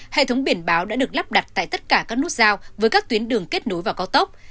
hệ thống biển báo đã được lắp đặt tại tất cả các nút giao với các tuyến đường kết nối vào cao tốc